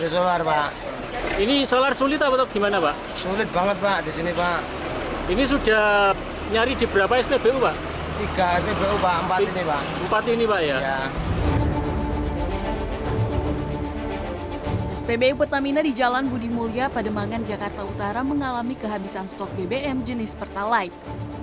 spbu pertamina di jalan budi mulia pademangan jakarta utara mengalami kehabisan stok bbm jenis pertalite